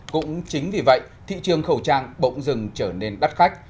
cũng chính vì vậy thị trường khẩu trang bỗng dừng trở nên đắt khách